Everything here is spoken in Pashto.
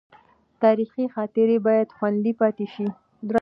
تاریخي خاطرې باید خوندي پاتې شي.